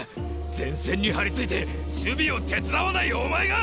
前線に張り付いて守備を手伝わないお前が！